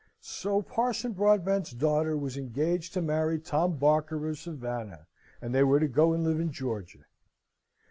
So Parson Broadbent's daughter was engaged to marry Tom Barker of Savannah, and they were to go and live in Georgia!